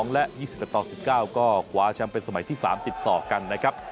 ๒๑๑๒และ๒๑๑๙ก็ขวาชั้นเป็นสมัยที่๓ติดต่อกันนะครับ